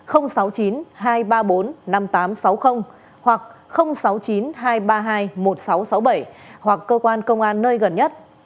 hoặc sáu mươi chín hai trăm ba mươi hai một nghìn sáu trăm sáu mươi bảy hoặc cơ quan công an nơi gần nhất